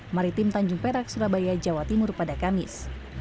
maritim tanjung perak surabaya jawa timur pada kamis